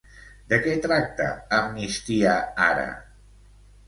De què tracta Amnistia ara!?